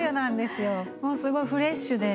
すごいフレッシュで。